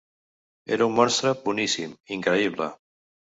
Era un monstre, boníssim, increïble.